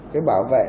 cái bảo vệ